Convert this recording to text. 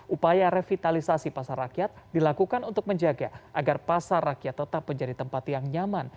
upaya revitalisasi pasar rakyat dilakukan untuk menjaga agar pasar rakyat tetap menjadi tempat yang nyaman